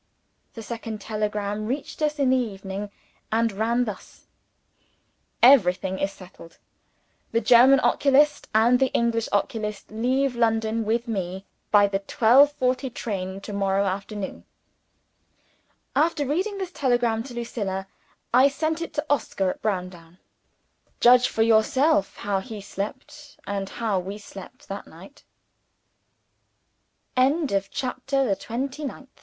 The second telegram reached us in the evening, and ran thus: "Everything is settled. The German oculist and the English oculist leave London with me, by the twelve forty train to morrow afternoon." After reading this telegram to Lucilla, I sent it to Oscar at Browndown. Judge for yourself how he slept, and how we slept, that night! CHAPTER THE THIRTIETH Herr Grosse SEVERAL circumstances dese